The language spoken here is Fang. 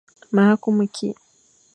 Ma kumu ki.